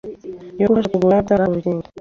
yo gufasha kugura no gutanga urukingo